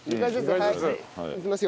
はいいきますよ。